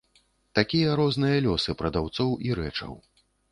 Такія розныя лёсы прадаўцоў і рэчаў.